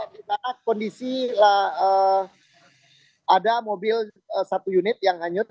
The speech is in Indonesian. di mana kondisi ada mobil satu unit yang hanyut